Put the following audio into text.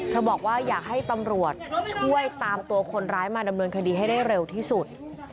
บอกว่าอยากให้ตำรวจช่วยตามตัวคนร้ายมาดำเนินคดีให้ได้เร็วที่สุด